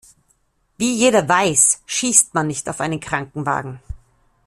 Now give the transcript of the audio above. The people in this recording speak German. Wie jeder weiß, schießt man nicht auf einen Krankenwagen.